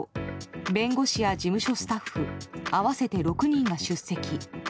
弁護士や事務所スタッフ合わせて６人が出席。